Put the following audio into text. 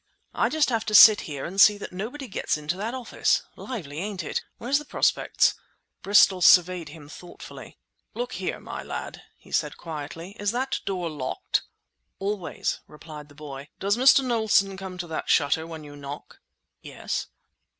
"I just have to sit here and see that nobody gets into that office. Lively, ain't it? Where's the prospects?" Bristol surveyed him thoughtfully. "Look here, my lad," he said quietly; "is that door locked?" "Always," replied the boy. "Does Mr. Knowlson come to that shutter when you knock?" "Yes."